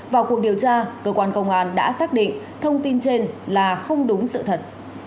vào cuộc điều tra cơ quan công an đã xác định thông tin trên là không đúng sự thật